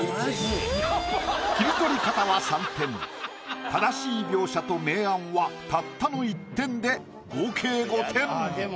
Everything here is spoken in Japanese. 切り取り方は３点正しい描写と明暗はたったの１点で合計５点。